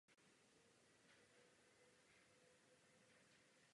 Kvůli dalším problémům s nahrávacím společností se podepsala pod Def Jam.